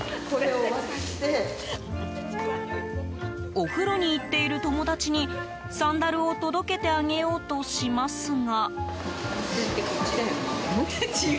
お風呂に行っている友達にサンダルを届けてあげようとしますが。